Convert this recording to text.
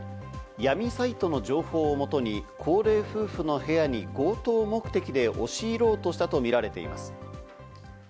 闇サイトの情報を元に高齢夫婦の部屋に強盗目的で押し入ろうとしたとみられています。